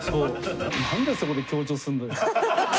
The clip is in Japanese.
なんでそこで強調すんだよ！